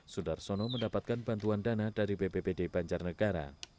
sudarsono mendapatkan bantuan dana dari bppd banjarnegara